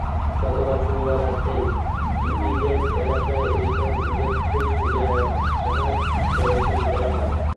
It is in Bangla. গতকাল শনিবার রাতে ইপিজেড এলাকায় রিমন দেবকে ছুরিকাঘাত করে খুন করা হয়।